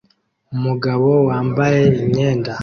Umugabo wambaye imyenda